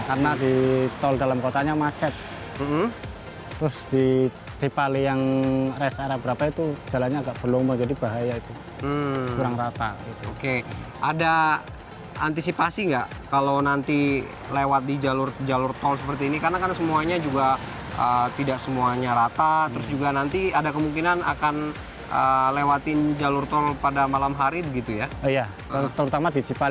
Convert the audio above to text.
korespondensi nn indonesia femya friadi memiliki laporannya